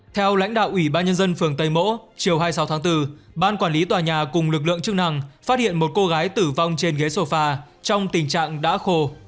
theo lãnh đạo ủy ban nhân dân phường tây mỗ chiều hai mươi sáu tháng bốn ban quản lý tòa nhà cùng lực lượng chức năng phát hiện một cô gái tử vong trên ghế sổ pha trong tình trạng đã khô